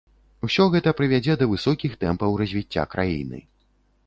Усё гэта прывядзе да высокіх тэмпаў развіцця краіны.